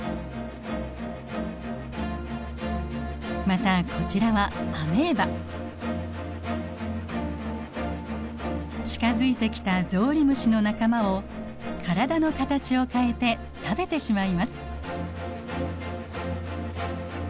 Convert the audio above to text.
またこちらは近づいてきたゾウリムシの仲間を体の形を変えて食べてしまいます。